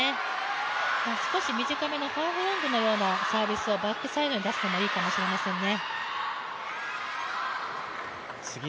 少し短めのハーフロングのようなサービスをバックサイドに出してもいいかもしれないですね。